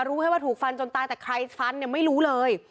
รู้แค่ว่าถูกฟันจนตายแต่ใครฟันเนี่ยไม่รู้เลย